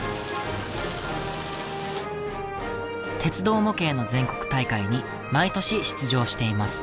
鉄道模型の全国大会に毎年出場しています。